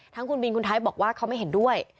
ทั้งคุณบินคุณไทยบอกว่าเขาไม่เห็นด้วย